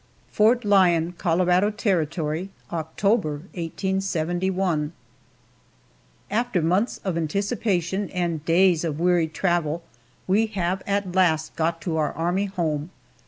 FORT LYON, COLORADO TERRITORY, October, 1871. AFTER months of anticipation and days of weary travel we have at last got to our army home!